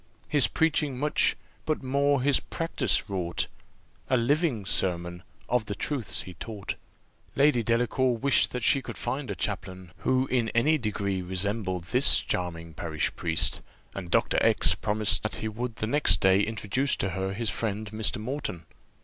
His preaching much, but more his practice wrought, A living sermon of the truths he taught." Lady Delacour wished that she could find a chaplain, who in any degree resembled this charming parish priest, and Dr. X promised that he would the next day introduce to her his friend Mr. Moreton.